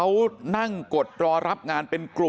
มันต้องการมาหาเรื่องมันจะมาแทงนะ